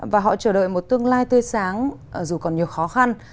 và họ chờ đợi một tương lai tươi sáng dù còn nhiều khó khăn